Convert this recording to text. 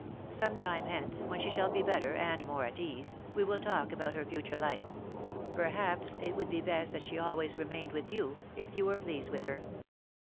Some time hence, when she shall be better, and more at ease, we will talk about her future life; perhaps it would be best that she always remained with you, if you were pleased with her."